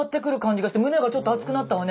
胸がちょっと熱くなったわね！